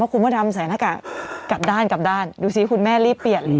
คุณพ่อดำใส่หน้ากากกลับด้านกลับด้านดูสิคุณแม่รีบเปลี่ยนเลย